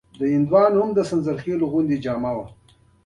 په پای کې د جوړې شوې مربا خوند وڅکئ او خوند ترې واخلئ.